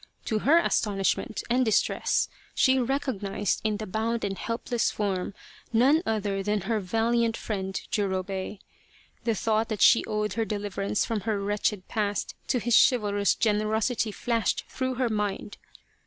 To her astonishment and distress she recognized in the bound and helpless form none other than her valiant friend Jurobei. The thought that she owed her deliverance from her wretched past to his chival rous generosity flashed through her mind.